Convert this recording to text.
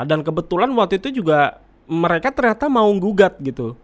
dan kebetulan waktu itu juga mereka ternyata mau gugat gitu